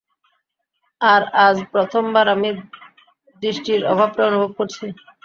আর আজ প্রথমবার আমি দৃষ্টির অভাবটা অনুভব করছি।